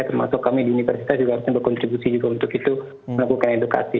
termasuk kami di universitas juga harusnya berkontribusi juga untuk itu melakukan edukasi